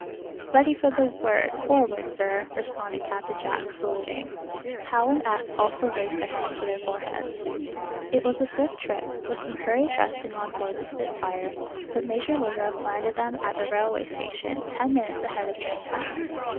"Ready for the word, 'forward,' sir," responded Captain Jack, saluting. Hal and Eph also raised their hands to their foreheads. It was a swift trip, with some hurried dressing on board the "Spitfire," but Major Woodruff landed them at the railway station ten minutes ahead of train time.